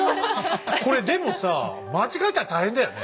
これでもさ間違えたら大変だよね。